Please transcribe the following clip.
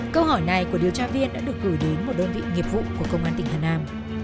câu hỏi này của điều tra viên đã được gửi đến một đơn vị nghiệp vụ của công an tỉnh hà nam